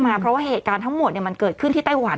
เพราะว่าเหตุการณ์ทั้งหมดมันเกิดขึ้นที่ไต้หวัน